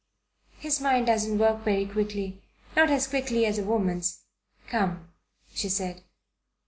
His mind doesn't work very quickly, not as quickly as a woman's. Come," she said.